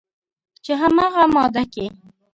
چې همغه ماده کې